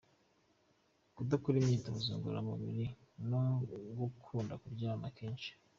Kudakora imyitozo ngorora mubiri no gukunda kuryama kenshi.